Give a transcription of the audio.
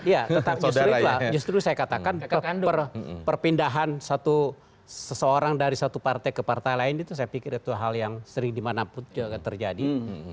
ya tetap justru itulah justru saya katakan perpindahan seseorang dari satu partai ke partai lain itu saya pikir itu hal yang sering dimanapun juga terjadi